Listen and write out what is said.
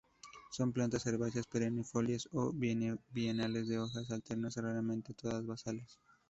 Son plantas herbáceas perennifolias o bienales de hojas alternas, raramente todas basales.